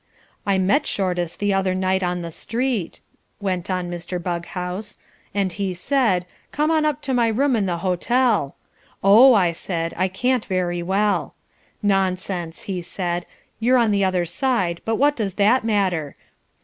"I met Shortis the other night in the street," went on Mr. Bughouse, "and he said, 'Come on up to my room in the hotel.' 'Oh,' I said, 'I can't very well.' 'Nonsense,' he said, 'You're on the other side but what does that matter?'